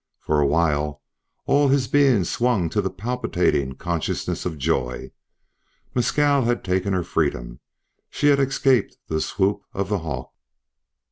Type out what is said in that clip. For a while all his being swung to the palpitating consciousness of joy Mescal had taken her freedom. She had escaped the swoop of the hawk.